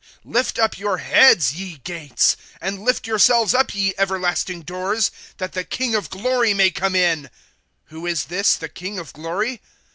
^ Lift up your heads, ye gates, And lift yourselves up, ye everlasting doors, That the King of glory may come in. ^ Who is this, the King of glory